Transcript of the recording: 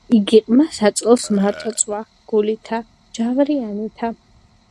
იგი ყმა საწოლს მარტო წვა გულითა ჯავრიანითა.